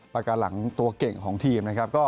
ปากกาหลังตัวเก่งของทีม